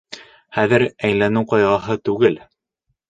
Хәҙер әйләнеү ҡайғыһы түгел.